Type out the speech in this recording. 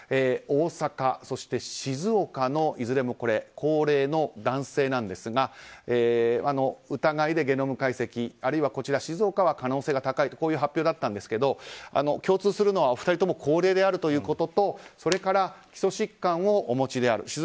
大阪、そして静岡のいずれも高齢の男性なんですが疑いでゲノム解析あるいは静岡は可能性が高いとこういう発表だったんですけど共通するのはお二人とも高齢であるということとそれから基礎疾患をお持ちである。